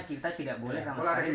kita tidak boleh sama sekali